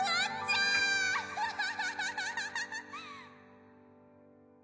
アハハハハ！